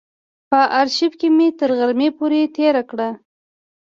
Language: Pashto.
په آرشیف کې مې تر غرمې پورې تېره کړه.